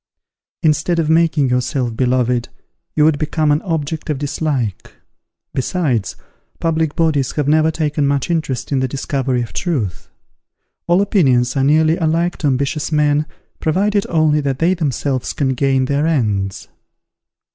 _ Instead of making yourself beloved, you would become an object of dislike. Besides, public bodies have never taken much interest in the discovery of truth. All opinions are nearly alike to ambitious men, provided only that they themselves can gain their ends.